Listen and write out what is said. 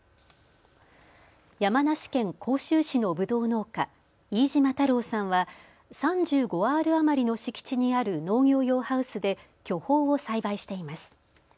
山梨県甲州市のぶどう農家飯島太郎さんは３５アール余りの敷地にある農業用ハウスで巨峰を栽培しています。